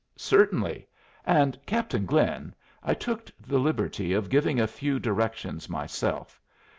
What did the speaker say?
"Certainly. And, Captain Glynn, I took the liberty of giving a few directions myself.